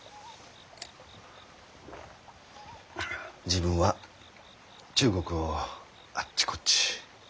自分は中国をあっちこっち。